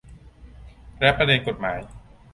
และประเด็นกฎหมาย